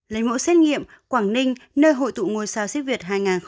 lấy mẫu xét nghiệm quảng ninh nơi hội tụ ngôi sao siết việt hai nghìn hai mươi một